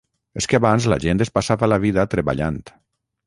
És que abans la gent es passava la vida treballant